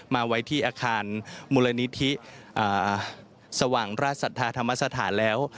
มาไว้ที่อาคารมูลนิธิสว่างราชศรัทธาธรรมสถานแล้ว